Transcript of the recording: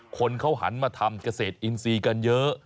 คนเขาหันมาทำเกษตรอินทรีย์กันเยอะ